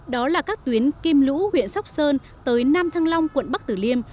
đó là các tuyến kim lũ huyện sóc sơn tới nam thăng long quận bắc tử liêm